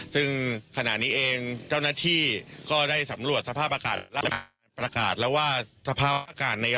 ซึ่งขณะนี้เองเจ้าหน้าที่ก็ได้สำรวจสภาพอากาศและการประกาศแล้วว่าสภาพอากาศ